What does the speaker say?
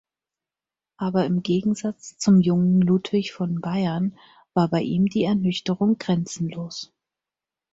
Aber im Gegensatz zum jungen Ludwig von Bayern war bei ihm die Ernüchterung grenzenlos.